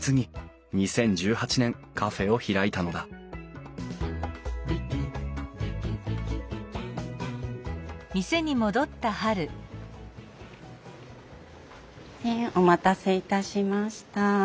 ２０１８年カフェを開いたのだお待たせいたしました。